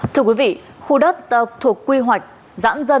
thưa quý vị khu đất thuộc quy hoạch giãn dân